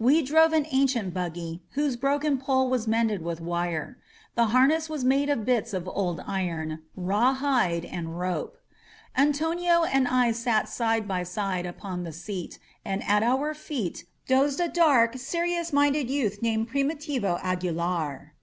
We drove an ancient buggy, whose broken pole was mended with wire. The harness was. made of bits of old iron, rawhide and rope. Antonio and I sat side by side upon the seat, and at our feet dozed a dark, serious minded youth named Frimitivo Aguilar.